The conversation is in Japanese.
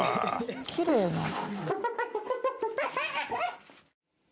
きれいな。